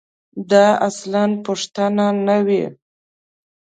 دا اصلاً پوښتنه نه وي.